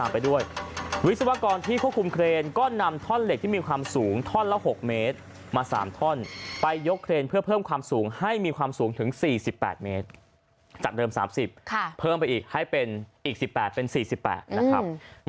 เพิ่มไปอีกให้เป็นอีก๑๘เป็น๔๘นะครับ